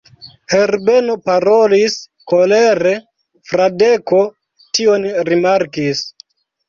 Herbeno parolis kolere: Fradeko tion rimarkis.